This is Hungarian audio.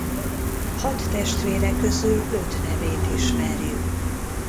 Hat testvére közül öt nevét ismerjük.